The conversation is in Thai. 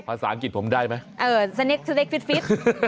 ภาษาอังกฤษผมได้ไหมเออสนิกสเนคฟิต